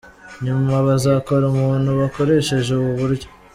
Nyuma bazakora umuntu bakoresheje ubu buryo.